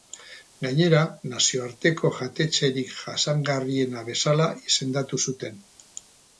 Gainera, nazioarteko jatetxerik jasangarriena bezala izendatu zuten.